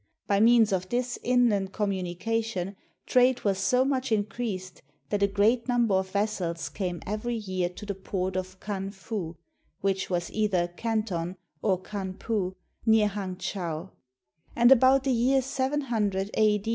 By means of this inland communication, trade was so much increased that a great number of vessels came every year to the port of Can fu, which was either Canton or Kanpu, near Hang chau ; and about the year 700 a.